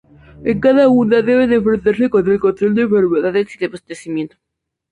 En cada una deben enfrentarse con el control de enfermedades y desabastecimiento.